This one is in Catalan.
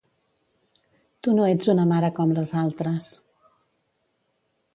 Tu no ets una mare com les altres.